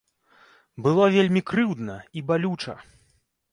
Было вельмі крыўдна і балюча.